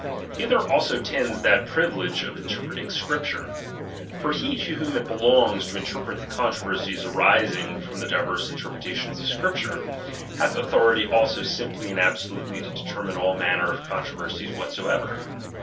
Hither also tends the privilege of interpreting Scriptures. For he to whom it belongs to interpret the con troversies arising from the divers interpretations of Scriptures, hath authority also simply and abso lutely to determine all manner of controversies whatsoever.